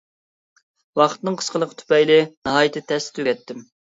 ۋاقىتنىڭ قىسلىقى تۈپەيلى ناھايىتى تەستە تۈگەتتىم.